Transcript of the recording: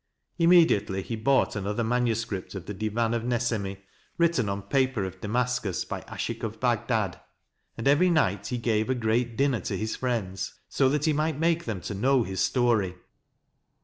Immediately he bought another manu script of the Divan of Nesemi, written on paper of Damascus by Ashiq of Bagdad ; and every night he gave a great dinner to his friends, so that he might make them to know his story.